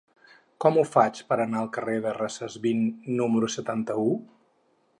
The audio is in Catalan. Com ho faig per anar al carrer de Recesvint número setanta-u?